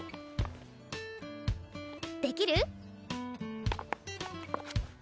できる？